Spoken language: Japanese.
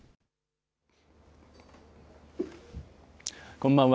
こんばんは。